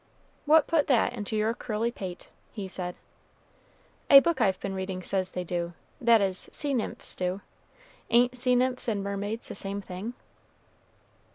"What put that into your curly pate?" he said. "A book I've been reading says they do, that is, sea nymphs do. Ain't sea nymphs and mermaids the same thing?"